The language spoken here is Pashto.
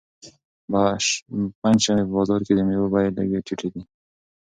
پنجشنبه په بازار کې د مېوو بیې لږې ټیټې وي.